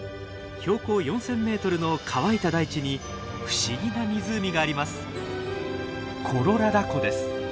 標高４，０００ｍの乾いた大地に不思議な湖があります。